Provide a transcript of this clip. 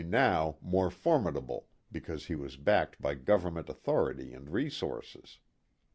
43 now more formidable because he was backed by Government authority and resources.